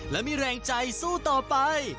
และมีแรงใจสู้ต่อไป